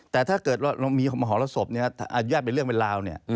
แต่ถ้าเกิดว่ามีหอและศพเนี่ยอาจจะเป็นเรื่องเวลาเนี่ย